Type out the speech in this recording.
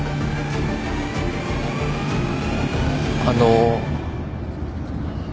あの。